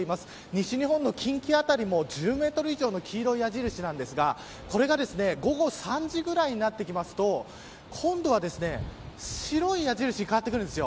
西日本の近畿辺りも１０メートル以上の黄色い矢印なんですがこれが午後３時ぐらいになってくると今度は白い矢印に変わってくるんです。